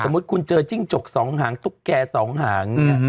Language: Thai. สมมุติคุณเจอจิ้งจกสองหางทุกแก่สองหาง